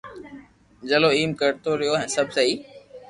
چلو ايم اي ڪرتو رھيو سب سھي